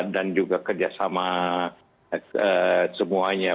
dan juga kerjasama semuanya